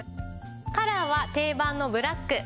カラーは定番のブラック